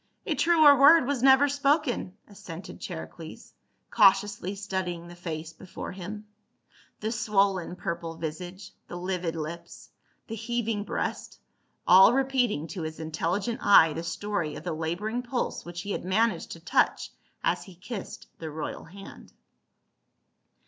"A truer word was never spoken," assented Chari cles, cautiously studying the face before him. The swollen purple visage, the livid lips, the heaving breast, all repeating to his intelligent eye the story of the laboring pulse which he had managed to touch as he kissed the royal hand.